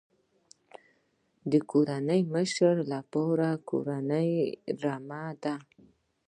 د کورنۍ مشر لپاره کورنۍ رمه ده.